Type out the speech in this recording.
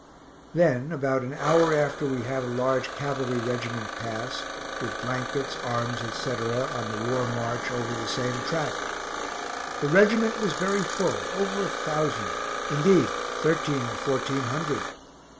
Then about an hour after we had a large cavalry regiment pass, with blankets, arms, etc., on the war march over the same track. The regt. was very full, over a thousand indeed thirteen or fourteen hundred.